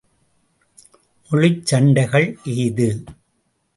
மொழிச் சண்டைகள் ஏது?